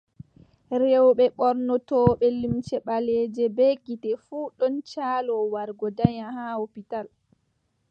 Rewɓe ɓornotooɓe limce ɓaleeje bee gite fuu ɗon caloo wargo danya haa lopital.